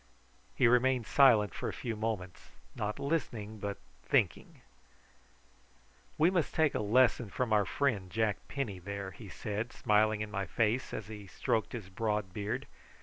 He remained silent for a few moments, not listening but thinking. "We must take a lesson from our friend Jack Penny, there," he said, smiling in my face as he stroked his broad beard.